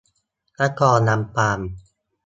นครลำปาง